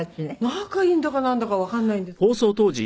仲いいんだかなんだかわからないんですよね。